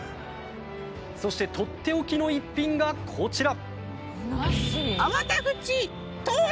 そしてとっておきの一品がこちら。